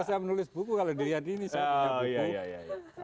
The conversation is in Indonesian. saya menulis buku kalau dilihat ini saya punya buku